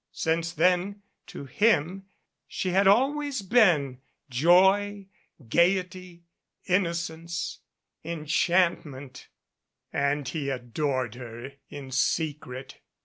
Since then to him she had always been Joy, Gayety, Innocence, Enchantment and he adored her in secret.